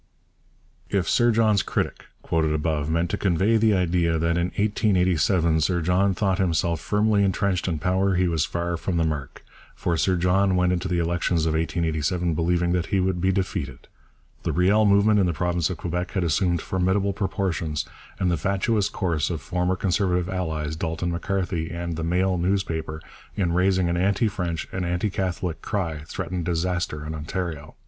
If Sir John's critic, quoted above, meant to convey the idea that in 1887 Sir John thought himself firmly entrenched in power, he was far from the mark. For Sir John went into the elections of 1887 believing that he would be defeated. The Riel movement in the province of Quebec had assumed formidable proportions, and the fatuous course of former Conservative allies, Dalton M'Carthy and the Mail newspaper, in raising an anti French and anti Catholic cry threatened disaster in Ontario.